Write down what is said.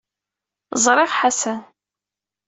Ẓriɣ Ḥasan.